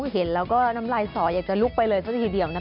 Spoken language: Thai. เห็นแล้วก็น้ำลายสออยากจะลุกไปเลยซะทีเดียวนะคะ